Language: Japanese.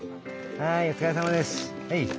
はいお疲れさまです。